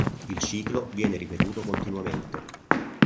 Il ciclo viene ripetuto continuamente.